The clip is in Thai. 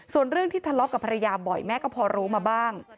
ส่วนเรื่องที่ทะเลาะกับภรรยาบ่อยแม่ก็พอรู้มาบ้าง